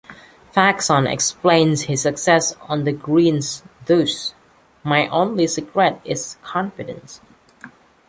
Faxon explains his success on the greens thus: My only secret is confidence...